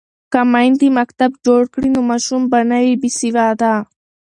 که میندې مکتب جوړ کړي نو ماشوم به نه وي بې سواده.